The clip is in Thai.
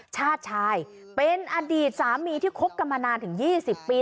ชาติชายเป็นอดีตสามีที่คบกันมานานถึง๒๐ปี